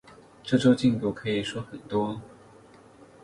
这周进度可以说很多